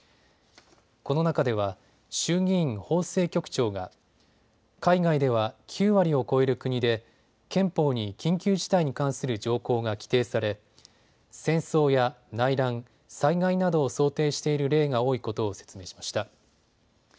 この中では衆議院法制局長が海外では９割を超える国で憲法に緊急事態に関する条項が規定され戦争や内乱、災害などを想定している例が多いことを説明しました。